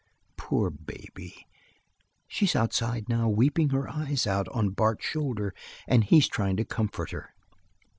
"Poor baby! She's outside, now, weeping her eyes out on Bart's shoulder and he's trying to comfort her."